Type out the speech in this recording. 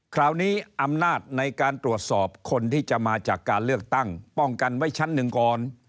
คราวนี้อำนาจในการตรวจสอบคนที่จะมาจากการเลือกตั้งป้องกันไว้ชั้นหนึ่งก่อน